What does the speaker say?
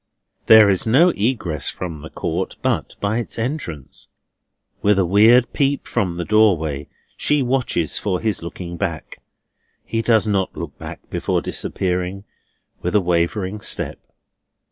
There is no egress from the court but by its entrance. With a weird peep from the doorway, she watches for his looking back. He does not look back before disappearing, with a wavering step.